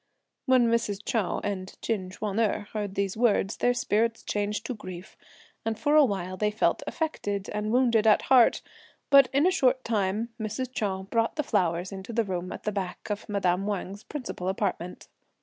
When Mrs. Chou and Chin Ch'uan erh heard these words, their spirits changed to grief, and for a while they felt affected and wounded at heart; but in a short time, Mrs. Chou brought the flowers into the room at the back of madame Wang's principal apartment.